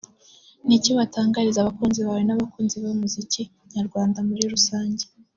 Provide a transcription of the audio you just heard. Ni iki watangariza abakunzi bawe n’abakunzi b’umuziki nyarwanda muri Rusange